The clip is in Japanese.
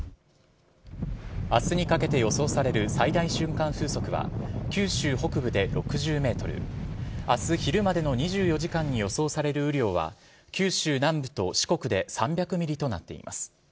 あすにかけて予想される最大瞬間風速は、九州北部で６０メートル、あす昼までの２４時間に予想される雨量は、九州南部と四国で３００ミリとなっています。